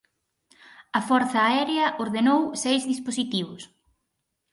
A Forza Aérea ordenou seis dispositivos.